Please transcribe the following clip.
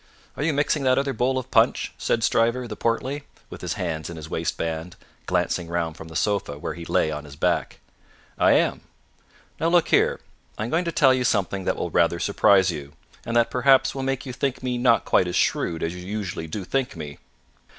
"Are you mixing that other bowl of punch?" said Stryver the portly, with his hands in his waistband, glancing round from the sofa where he lay on his back. "I am." "Now, look here! I am going to tell you something that will rather surprise you, and that perhaps will make you think me not quite as shrewd as you usually do think me.